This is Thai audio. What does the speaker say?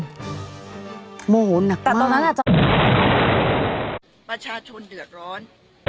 โมโหหนักมากแต่ตรงนั้นอ่ะประชาชนเหยือดร้อน